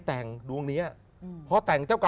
มันมีความสุข